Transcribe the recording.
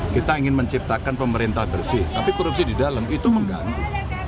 kita ingin menciptakan pemerintah bersih tapi korupsi di dalam itu mengganggu